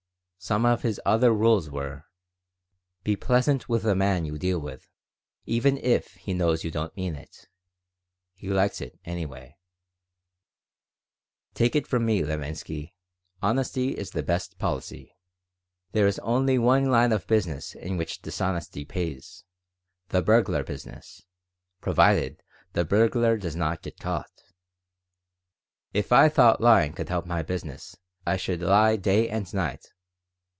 Some of his other rules were: "Be pleasant with the man you deal with, even if he knows you don't mean it. He likes it, anyway." "Take it from me, Levinsky: honesty is the best policy. There is only one line of business in which dishonesty pays: the burglar business, provided the burglar does not get caught. If I thought lying could help my business, I should lie day and night.